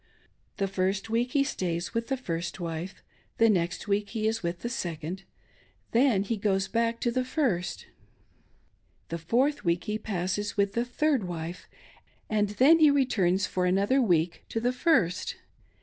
The first week he stays with the first wife; the next week he is with the second; then he goes back 466 THE WIFE IN THE WAGON BOX. to the first. The fourth week he passes with the third wife; then he returns for another week to the first.